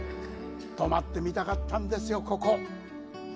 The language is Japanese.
泊まってみたかったんですよ、ここ！